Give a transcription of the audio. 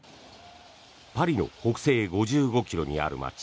パリの北西５５ｋｍにある街